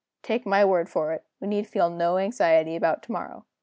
Take my word for it, we need feel no anxiety about to morrow.